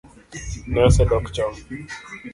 Ne osedok chon